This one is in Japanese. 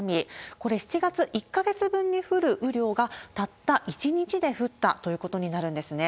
これ、７月１か月分に降る雨量が、たった１日で降ったということになるんですね。